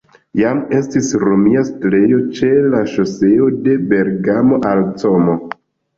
Jam estis romia setlejo ĉe la ŝoseo de Bergamo al Como.